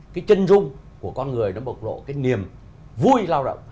cái chân dung của con người nó bộc lộ cái niềm vui lao động